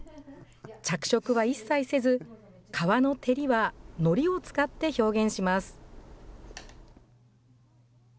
着色は一切せず、皮の照りはのりを使って表現します。